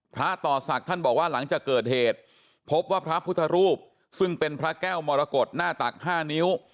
พระต่อศักดิ์ท่านบอกว่าหลังจากเกิดเหตุพบว่าพระพุทธรูปซึ่งเป็นพระแก้วมรกฏหน้าตัก๕นิ้ว